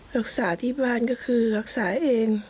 รักษาที่บ้านก็คือรักษาเอง